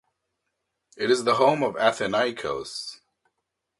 It is the home of Athinaikos.